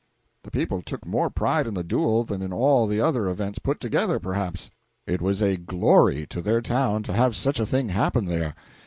The people took more pride in the duel than in all the other events put together, perhaps. It was a glory to their town to have such a thing happen there.